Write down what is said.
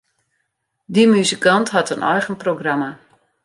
Dy muzikant hat in eigen programma.